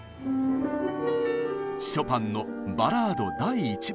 ショパンの「バラード第１番」。